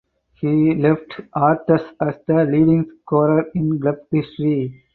He left Orthez as the leading scorer in club history.